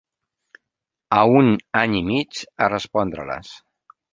A un any i mig a respondre-les